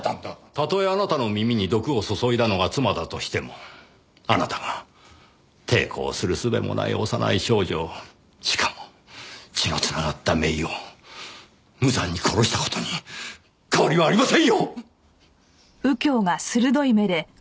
たとえあなたの耳に毒を注いだのが妻だとしてもあなたが抵抗する術もない幼い少女をしかも血の繋がった姪を無残に殺した事に変わりはありませんよ！